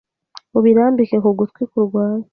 ubirambike ku gutwi kurwaye